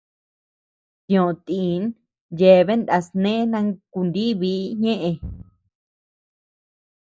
Tioʼö tin yeabean naa snee nankuníbii ñëʼe.